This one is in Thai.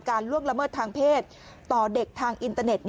ล่วงละเมิดทางเพศต่อเด็กทางอินเตอร์เน็ต